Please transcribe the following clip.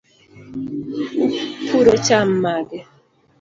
Upuro cham mage?